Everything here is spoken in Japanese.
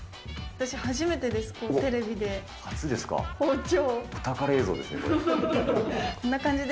私初めてです、テレビで。